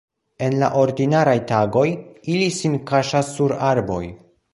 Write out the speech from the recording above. En la ordinaraj tagoj ili sin kaŝas sur arboj.